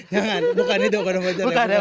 jangan bukan itu kode voucher ya bukan itu